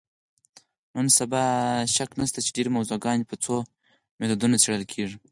نن سبا شک نشته چې ډېری موضوعګانې په څو میتودونو څېړل کېږي.